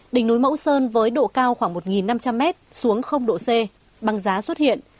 đỉnh núi mẫu sơn với độ cao khoảng một năm trăm linh m xuống độ c băng giá xuất hiện